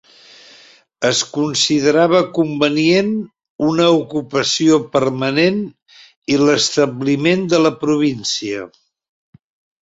Es considerava convenient una ocupació permanent i l'establiment de la província.